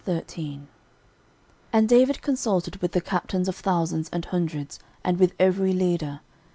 13:013:001 And David consulted with the captains of thousands and hundreds, and with every leader.